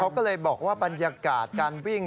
เขาก็เลยบอกว่าบรรยากาศการวิ่ง